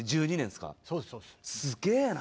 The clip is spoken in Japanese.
すげぇな！